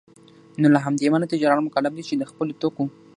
نوله همدې امله تجاران مکلف دی چي دخپلو توکو